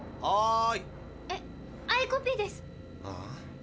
ああ。